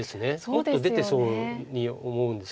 もっと出てそうに思うんですけど。